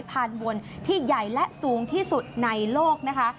พานวนที่ใหญ่และสูงที่สุดในโลกนะคะ